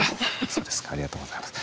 そうですかありがとうございます。